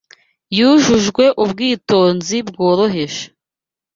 Yujujwe ubwitonzi bworoheje